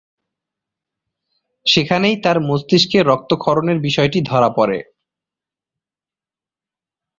সেখানেই তার মস্তিষ্কে রক্তক্ষরণের বিষয়টি ধরা পড়ে।